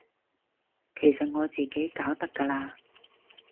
其實我自己搞得㗎喇